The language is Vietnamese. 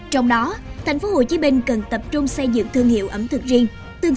trong đó tp hcm cần tập trung xây dựng thương hiệu ẩm thực riêng